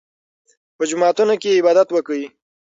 په جوماتونو کې عبادت وکړئ.